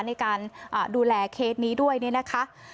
ในการดูแลเขตนี้ด้วยนะคะ